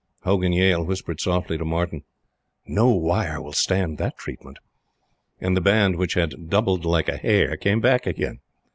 Hogan Yale whispered softly to Martyn: "No wire will stand that treatment," and the Band, which had doubled like a hare, came back again.